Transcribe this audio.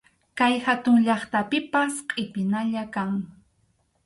Kay hatun llaqtapipas qʼipinalla kan.